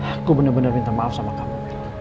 aku benar benar minta maaf sama kamu